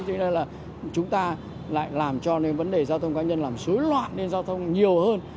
cho nên là chúng ta lại làm cho nên vấn đề giao thông cá nhân làm xối loạn lên giao thông nhiều hơn